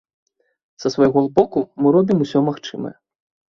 Са свайго боку мы робім усё магчымае.